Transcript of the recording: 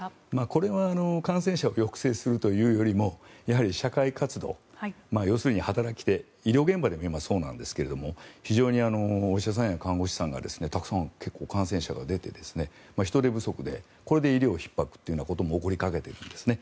これは感染者を抑制するというよりも社会活動、要するに働き手医療現場でも今、そうなんですが非常にお医者さんや看護師さんに結構たくさん感染者が出て、人手不足でこれで医療ひっ迫というようなことも起こりかけているんですね。